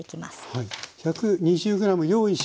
はい。